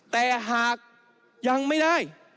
แต่หากยังไม่ได้